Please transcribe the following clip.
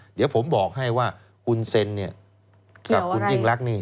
เดี๋ยวผมบอกให้ว่าคุณเซ็นเนี่ยกับคุณยิ่งรักนี่